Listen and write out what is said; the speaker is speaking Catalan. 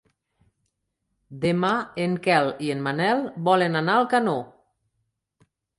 Demà en Quel i en Manel volen anar a Alcanó.